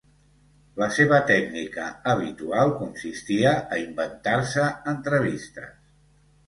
La seva tècnica habitual consistia a inventar-se entrevistes.